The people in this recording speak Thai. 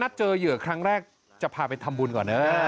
ถ้าเจอเหยื่อครั้งแรกจะพาไปทำบุญก่อน